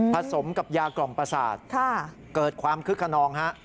สมกับยากล่อมประสาทเกิดความคึกขนองฮะ